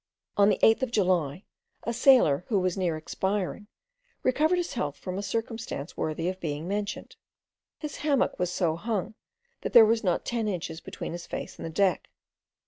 On the 8th of July, a sailor, who was near expiring, recovered his health from a circumstance worthy of being mentioned. His hammock was so hung, that there was not ten inches between his face and the deck.